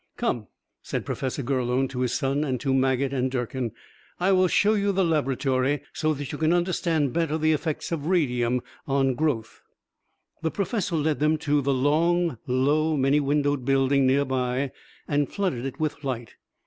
"Come," said Professor Gurlone, to his son and to Maget and Durkin. "I will show you the laboratory, so that you can understand better the effects of radium on growth." The professor led them to the long, low, many windowed building nearby, and flooded it with light.